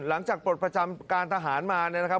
หลังจากปรดประจำการทหารมานะครับ